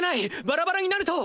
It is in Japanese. バラバラになると。